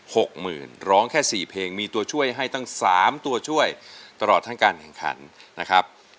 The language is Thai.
หกหมื่นร้องแค่สี่เพลงมีตัวช่วยให้ตั้งสามตัวช่วยตลอดทั้งการแข่งขันนะครับ